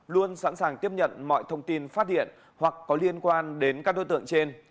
luôn sẵn sàng tiếp nhận mọi thông tin phát hiện hoặc có liên quan đến các đối tượng trên